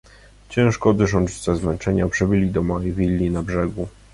"Ciężko dysząc ze zmęczenia przybyli do małej willi na brzegu rzeki."